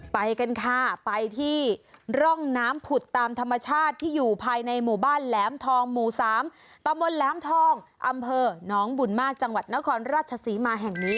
ไปกันค่ะไปที่ร่องน้ำผุดตามธรรมชาติที่อยู่ภายในหมู่บ้านแหลมทองหมู่๓ตำบลแหลมทองอำเภอน้องบุญมากจังหวัดนครราชศรีมาแห่งนี้